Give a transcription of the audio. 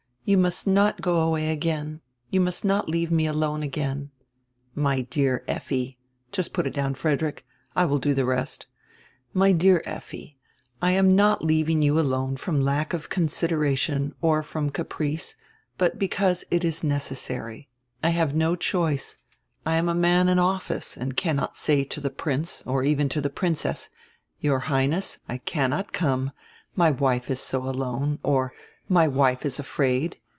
You must not go away again, you must not leave me alone again." "My dear Effi —Just put it down, Frederick, I will do the rest — my dear Effi, I am not leaving you alone from lack of consideration or from caprice, but because it is necessary. I have no choice. I am a man in office and cannot say to the Prince, or even to the Princess: Your Highness, I cannot come; my wife is so alone, or, my wife is afraid.